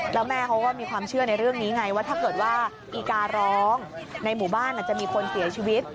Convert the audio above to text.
แล้วแม่เขาก็มีความเชื่อในเรื่องนี้ไงว่าถ้าเกิดว่าอีการ้องในหมู่บ้านอาจจะมีคนเสียชีวิต